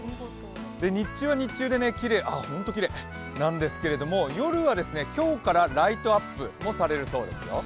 日中は日中できれいなんですけれども、夜は今日からライトアップもされるようです。